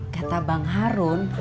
kata bang harun